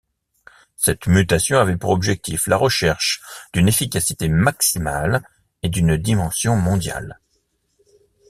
Cette mutation avait pour objectif la recherche d’une efficacité maximale et d’une dimension mondiale.